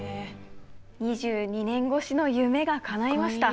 ２２年越しの夢がかないました。